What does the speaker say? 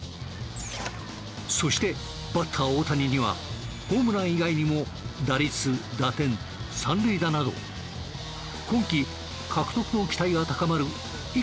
そしてバッター大谷にはホームラン以外にも打率打点三塁打など今季獲得の期待が高まるいくつものタイトルが。